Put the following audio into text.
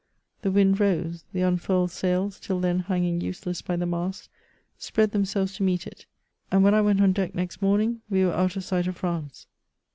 The wind rose ; the unfurled sails, till then hanging' useless hy the masts, spread themselves to meet it, and when 1 went on deck next morning, we were out of sight of France.